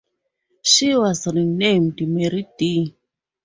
She was renamed "Mary D".